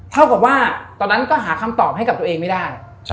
เท่ากับว่าตอนนั้นก็หาคำตอบให้กับตัวเองไม่ได้